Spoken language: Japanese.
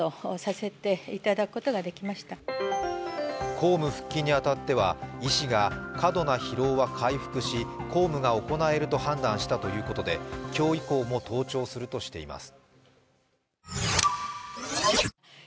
公務復帰に当たっては、医師が過度な疲労は回復し、公務が行えると判断したということで今日以降も登庁するとしています。